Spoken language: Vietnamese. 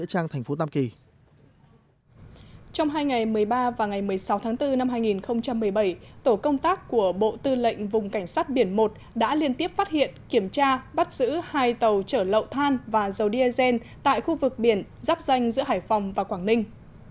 trong hai ngày một mươi ba và ngày một mươi sáu tháng bốn năm hai nghìn một mươi bảy tổ công tác của bộ tư lệnh vùng cảnh sát biển một đã liên tiếp phát hiện kiểm tra bắt giữ hai tàu chở lậu than và dầu diesel tại khu vực biển giáp danh giữa hải phòng và quảng ninh